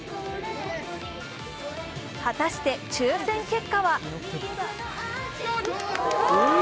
果たして、抽選結果は？